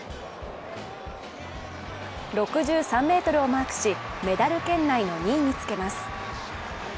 ６３ｍをマークし、メダル圏内の２位につけます。